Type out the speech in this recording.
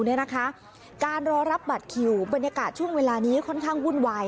เนี่ยนะคะการรอรับบัตรคิวบรรยากาศช่วงเวลานี้ค่อนข้างวุ่นวาย